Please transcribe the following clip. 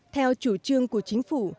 theo chủ trương của chính phủ